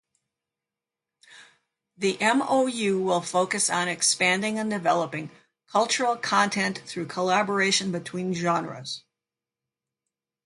The MoU will focus on "expanding and developing" cultural content through collaboration between genres.